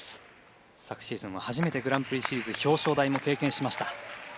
昨シーズンは初めてグランプリシリーズ表彰台も経験しました。